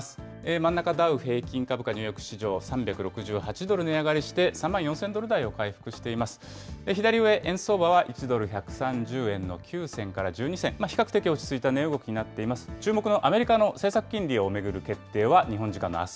真ん中、ダウ平均株価、ニューヨーク市場、３６８ドル値上がりして、３万４０００ドル台を回復しています。